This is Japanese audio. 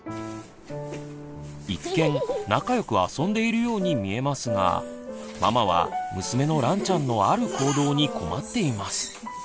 一見仲よく遊んでいるように見えますがママは娘のらんちゃんのある行動に困っています。